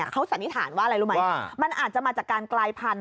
เขาสันนิษฐานว่าอะไรรู้ไหมมันอาจจะมาจากการกลายพันธุ